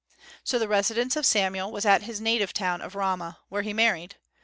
So the residence of Samuel was at his native town of Ramah, where he married.